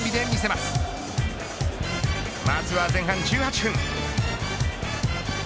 まずは前半１８分。